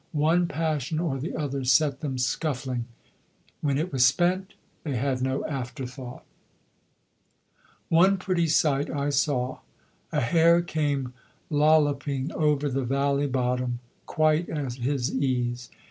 One passion or the other set them scuffling: when it was spent they had no after thought. One pretty sight I saw. A hare came lolloping over the valley bottom, quite at his ease.